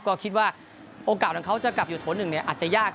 ก็คิดว่าโอกาสของเขาจะกลับอยู่โถ๑อาจจะยาก